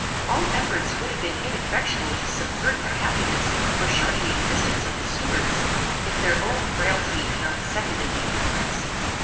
All efforts would have been ineffectual to subvert the happiness or shorten the existence of the Stuarts, if their own frailty had not seconded these efforts.